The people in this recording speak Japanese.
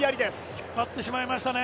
引っ張ってしまいましたね。